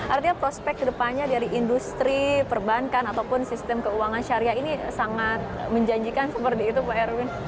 artinya prospek ke depannya dari industri perbankan ataupun sistem keuangan syariah ini sangat menjanjikan seperti itu pak erwin